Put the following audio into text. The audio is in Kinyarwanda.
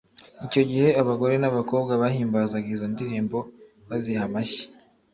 Icyo gihe abagore n'abakobwa bahimbazaga izo ndirimbo baziha amashyi.